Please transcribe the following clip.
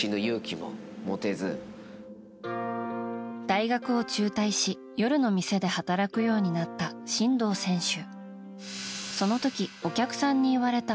大学を中退し夜の店で働くようになった真道選手。